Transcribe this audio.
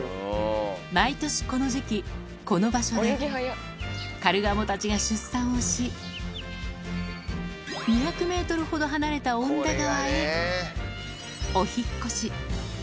毎年この時期、この場所で、カルガモたちが出産をし、２００メートルほど離れた恩田川へお引っ越し。